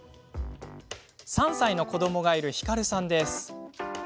３歳の子どもがいるひかるさんです。